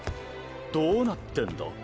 どうなってんだ？